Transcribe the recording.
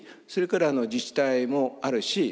それから自治体もあるし